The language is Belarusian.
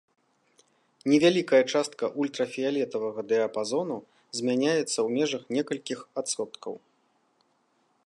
Невялікая частка ультрафіялетавага дыяпазону змяняецца ў межах некалькіх адсоткаў.